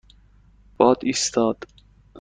باد ایستاد.